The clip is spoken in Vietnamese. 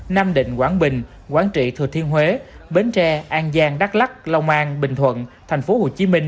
nam định quảng bình quán trị thừa thiên huế bến tre an giang đắk lắc long an bình thuận thành phố hồ chí minh